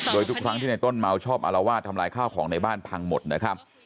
โดยทุกครั้งที่ในต้นเมาชอบอารวาสทำลายข้าวของในบ้านพังหมดนะครับ